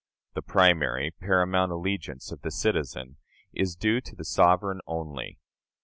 The primary, paramount allegiance of the citizen is due to the sovereign only.